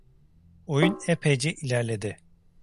Oyun epeyce ilerledi…